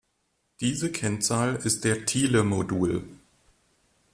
Diese Kennzahl ist der Thiele-Modul.